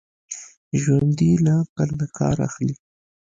ژوندي له عقل نه کار اخلي